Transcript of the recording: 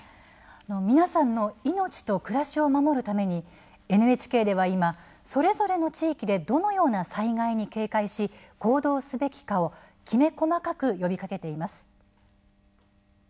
皆さんの命と暮らしを守るためにＮＨＫでは今、それぞれの地域でどのような災害に警戒し行動すべきかをきめ細かく呼びかけています。